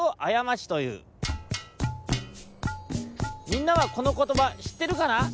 みんなはこのことばしってるかな？